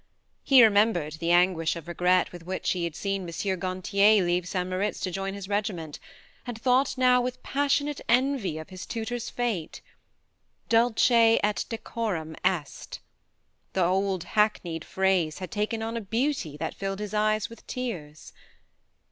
... He re membered the anguish of regret with which he had seen M. Gantier leave St. Moritz to join his regiment, and thought now with passionate envy of his tutor's fate. "Dulce et decorum est ..." the old hackneyed phrase had taken on a beauty that rilled his eyes with tears.